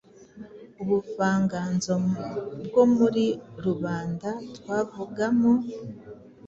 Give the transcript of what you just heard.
Ubuvanganzo bwo muri rubanda twavugamo